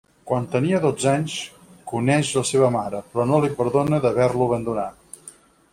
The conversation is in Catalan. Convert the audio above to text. Quan tenia dotze anys coneix la seva mare però no li perdona d'haver-lo abandonat.